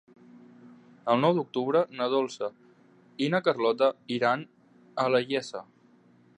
El nou d'octubre na Dolça i na Carlota iran a la Iessa.